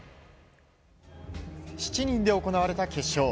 ７人で行われた決勝。